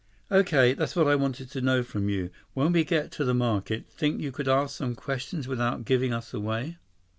"Okay. That's what I wanted to know from you. When we get to the market, think you could ask some questions without giving us away?